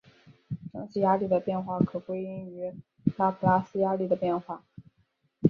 蒸气压力的变化可归因于拉普拉斯压力的变化。